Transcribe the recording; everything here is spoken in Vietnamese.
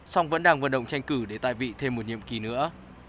song vẫn đang vận động tranh cử để tại vị thêm một nhiệm kỳ nữa